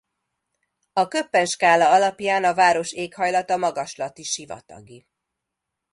A Köppen-skála alapján a város éghajlata magaslati sivatagi.